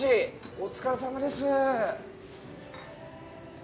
お疲れさまです。